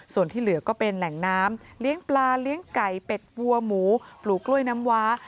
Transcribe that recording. ส่วนที่เหลือก็เป็นแหล่งน้ำเลี้ยงปลาเลี้ยงไก่เป็ดวัวหมูปลูกกล้วยน้ำว้า